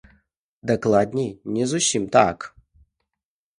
Дакладней, не зусім так.